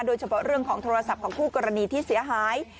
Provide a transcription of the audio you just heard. โดยเฉพาะเรื่องของโทรศัพท์ของคู่กรณีที่เสียหาย